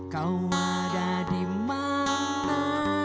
kau ada dimana